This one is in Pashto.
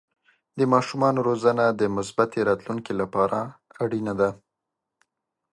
د ماشومانو روزنه د مثبتې راتلونکې لپاره اړینه ده.